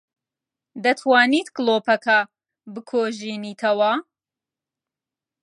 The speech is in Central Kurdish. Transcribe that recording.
دەتوانیت گڵۆپەکە بکوژێنیتەوە؟